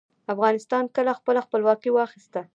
افغانستان کله خپله خپلواکي واخیسته؟